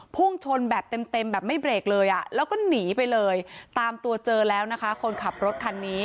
พุ่งชนแบบเต็มแบบไม่เบรกเลยอ่ะแล้วก็หนีไปเลยตามตัวเจอแล้วนะคะคนขับรถคันนี้